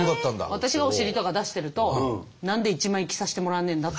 私がお尻とか出してると「何で一枚着さしてもらわねえんだ」って。